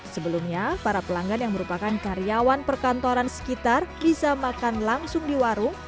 sebelumnya para pelanggan yang merupakan karyawan perkantoran sekitar bisa makan langsung di warung